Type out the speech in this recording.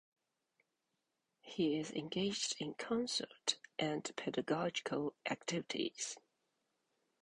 He is engaged in concert and pedagogical activities.